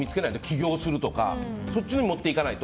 起業するとかそっちのほうにもっていかないと。